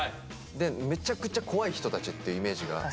でめちゃくちゃ怖い人たちっていうイメージがあったんで。